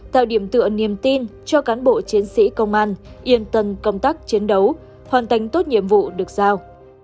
tạo điểm tựa niềm tin cho cán bộ chiến sĩ công an yên tâm công tác chiến đấu hoàn thành tốt nhiệm vụ được giao